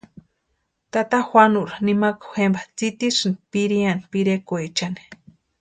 Tata Juanueri nimakwa jempa tsitisïnti pireani pirekwaechani.